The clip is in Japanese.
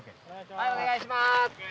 はいお願いします。